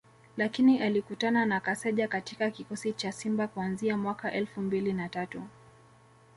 lakini alikutana na Kaseja katika kikosi cha Simba kuanzia mwaka elfu mbili na tatu